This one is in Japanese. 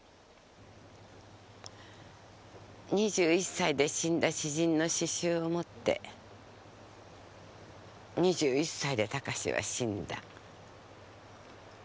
２１歳で死んだ詩人の詩集を持って２１歳で孝志は死んだ。